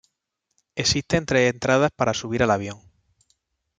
Existen tres entradas para subir al avión.